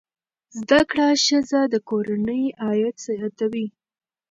زده کړه ښځه د کورنۍ عاید زیاتوي.